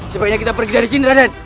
sebaiknya kita pergi dari sini